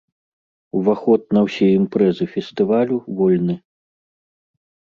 Уваход на ўсе імпрэзы фестывалю вольны.